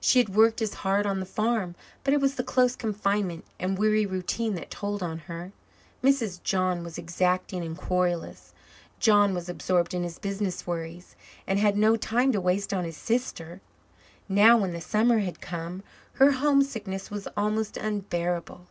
She had worked as hard on the farm, but it was the close confinement and weary routine that told on her. Mrs. John was exacting and querulous. John was absorbed in his business worries and had no time to waste on his sister. Now, when the summer had come, her homesickness was almost unbearable.